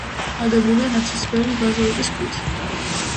აგებულია ნაცრისფერი ბაზალტის ქვით.